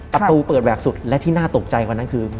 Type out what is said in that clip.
ประตูเปิดแหวกสุดและที่น่าตกใจกว่านั้นคือ